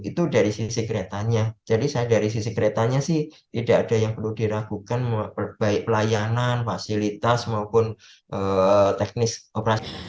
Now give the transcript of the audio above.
itu dari sisi keretanya jadi saya dari sisi keretanya sih tidak ada yang perlu diragukan baik pelayanan fasilitas maupun teknis operasi